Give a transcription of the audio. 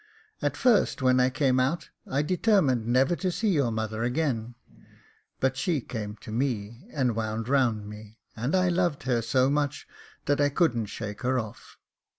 At first, when I came out, I determined never to see your mother again ; but she came to me, and wound round me, and I loved her so much that I couldn't shake her off.